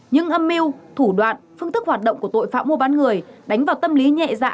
những âm mưu thủ đoạn phương thức hoạt động của tội phạm mua bán người đánh vào tâm lý nhẹ dạ